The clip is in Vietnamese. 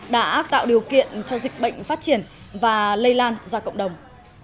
đã tạo điều kiện cho dịch bệnh phát triển và lây lan ra cộng đồng